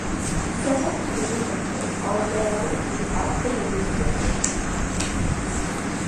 Several canoeing rentals are available throughout the river's distance.